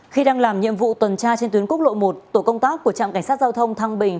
khi đang làm nhiệm vụ tuần tra trên tuyến quốc lộ một tổ công tác của trạm cảnh sát giao thông thăng bình